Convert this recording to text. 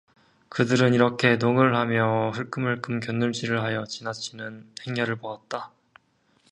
그들은 이렇게 농을 하며 흘금흘금 곁눈질을 하여 지나치는 행렬을 보았다.